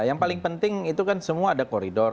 yang paling penting itu kan semua ada koridor